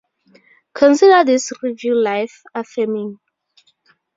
Consider this review life-affirming.